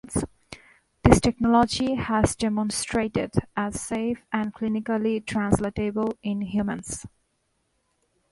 This technology has demonstrated as safe and clinically translatable in humans.